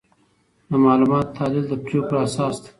د معلوماتو تحلیل د پریکړو اساس دی.